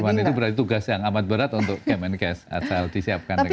cuman itu berarti tugas yang amat berat untuk kemenkes hasil disiapkan dengan baik